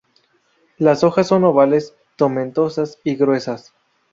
Las hojas son ovales, tomentosas y gruesas.